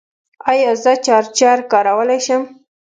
ایا زه چارجر کارولی شم؟